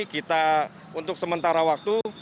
kita untuk sementara waktu